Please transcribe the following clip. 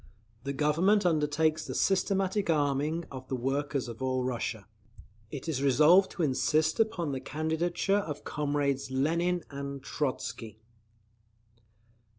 The Government undertakes the systematic arming of the workers of all Russia. It is resolved to insist upon the candidature of comrades Lenin and Trotzky.